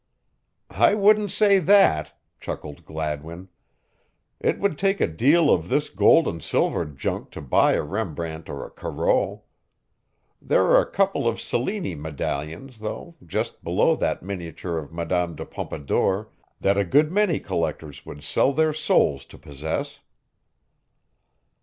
"I wouldn't say that," chuckled Gladwin. "It would take a deal of this gold and silver junk to buy a Rembrandt or a Corot. There are a couple of Cellini medallions, though, just below that miniature of Madame de Pompadour that a good many collectors would sell their souls to possess."